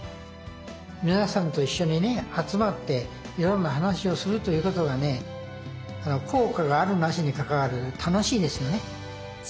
皆さんと一緒にね集まっていろんな話をするということがね効果があるなしにかかわらず楽しいですよね。